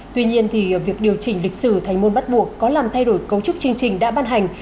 tuy nhiên thì việc điều chỉnh lịch sử thành môn bắt buộc có làm thay đổi cấu trúc chương trình đã ban hành